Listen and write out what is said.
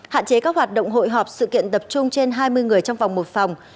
hạn chế các hoạt động hội họp sự kiện tập trung trên hai mươi người trong vòng một phòng